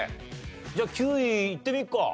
じゃあ９位いってみるか。